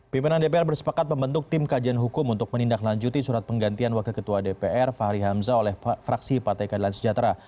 pimpinan dpr bersepakat membentuk tim kajian hukum untuk menindaklanjuti surat penggantian wakil ketua dpr fahri hamzah oleh fraksi partai keadilan sejahtera